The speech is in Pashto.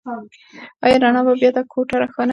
ایا رڼا به بيا دا کوټه روښانه کړي؟